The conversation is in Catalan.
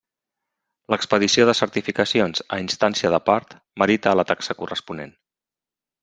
L'expedició de certificacions a instància de part merita la taxa corresponent.